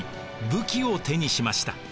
武器を手にしました。